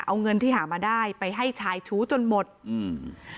เอาเงินที่หามาได้ไปให้ชายชู้จนหมดอืม